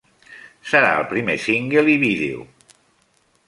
Serà el primer single i vídeo.